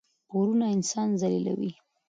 پورونه انسان ذلیلوي.